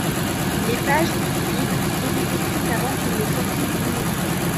Les pages qui suivent étaient écrites avant qu'il ne sortît du ministère.